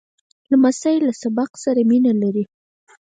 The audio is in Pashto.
لمسی له سبق سره مینه لري.